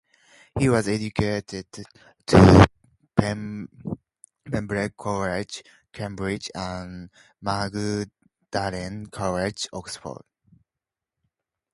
He was educated at Pembroke College, Cambridge, and Magdalen College, Oxford.